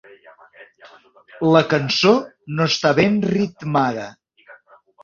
La cançó no està ben ritmada.